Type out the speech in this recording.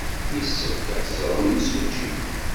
Yessefk ad ẓren imsujji.